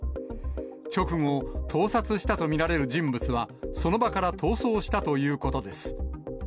直後、盗撮したと見られる人物は、その場から逃走したということです。